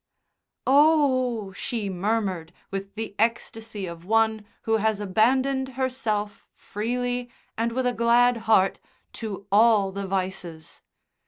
"Oh!" she murmured with the ecstasy of one who has abandoned herself, freely and with a glad heart, to all the vices.